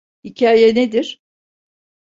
Hikaye nedir?